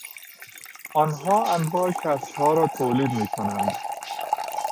آنها انواع کفشها را تولید میکنند.